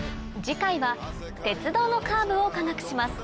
次回は鉄道のカーブを科学します。